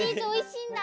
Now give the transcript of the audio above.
おいしい。